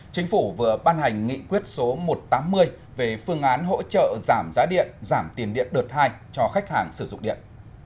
chính phủ vừa ban hành nghị quyết số một trăm tám mươi về phương án hỗ trợ giảm giá điện giảm tiền điện đợt hai cho khách hàng sử dụng điện